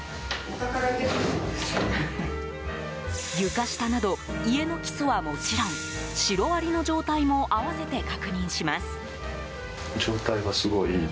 床下など家の基礎はもちろんシロアリの状態も併せて確認します。